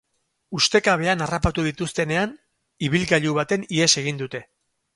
Ustekabean harrapatu dituztenean, ibilgailu batean ihes egin dute.